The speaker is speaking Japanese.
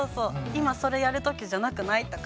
今それやる時じゃなくない？とか。